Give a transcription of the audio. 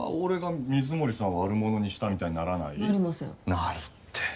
なるって。